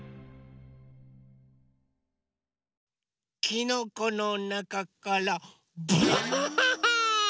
きのこのなかからばあっ！